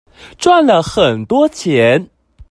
賺了很多錢